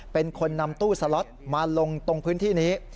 เป็นคนนำตู้สล็อตมาลงตรงพื้นที่นี้